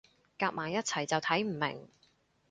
夾埋一齊就睇唔明